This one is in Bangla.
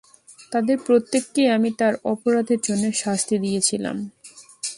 তাদের প্রত্যেককেই আমি তার অপরাধের জন্যে শাস্তি দিয়েছিলাম।